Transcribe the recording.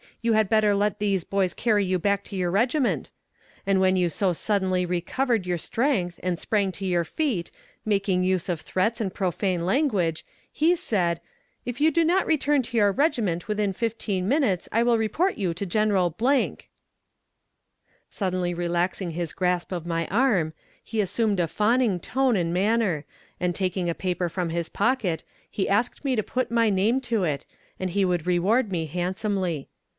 You had better let these boys carry you back to your regiment;' and when you so suddenly recovered your strength and sprang to your feet, making use of threats and profane language, he said: 'If you do not return to your regiment within fifteen minutes I will report you to General .'" Suddenly relaxing his grasp of my arm, he assumed a fawning tone and manner, and taking a paper from his pocket he asked me to put my name to it, and he would reward me handsomely.